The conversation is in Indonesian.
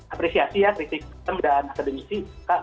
apresiasi ya kritikus film dan akademisi